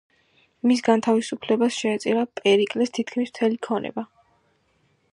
მის განთავისუფლებას შეეწირა პერიკლეს თითქმის მთელი ქონება.